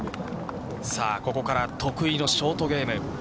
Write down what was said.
さあ、ここから得意のショートゲーム。